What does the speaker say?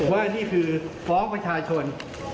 ว่าอันนี้คือของประชาชน